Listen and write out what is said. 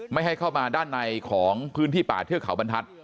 ไม่ให้เข้ามาด้านในของพื้นที่ป่าเทือกเขาบรรทัศน